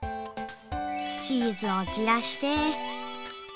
チーズを散らして。